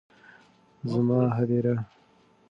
زما هديره